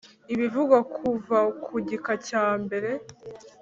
Ibivugwa kuva ku gika cya mbere